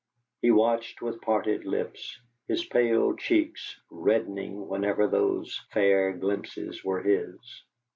He watched with parted lips, his pale cheeks reddening whenever those fair glimpses were his.